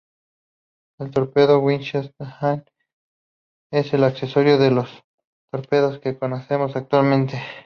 El torpedo Whitehead es el antecesor de los torpedos que conocemos actualmente.